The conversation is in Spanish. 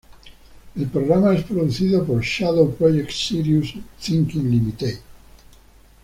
El programa es producido por Shadow Projects, Sirius Thinking Ltd.